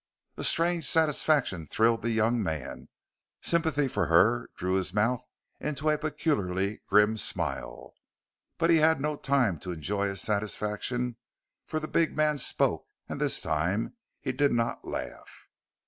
A strange satisfaction thrilled the young man; sympathy for her drew his mouth into a peculiarly grim smile. But he had no time to enjoy his satisfaction for the big man spoke and this time he did not laugh.